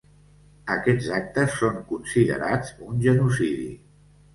Aquests actes són considerats un genocidi.